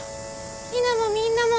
陽菜もみんなも。